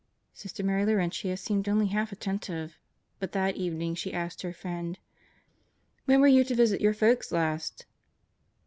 Sister Mary Laurentia seemed only half attentive, but that evening she asked her friend, "When were you to visit your folks last?"